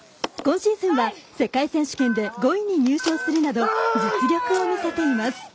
今シーズンは、世界選手権で５位に入賞するなど実力を見せています。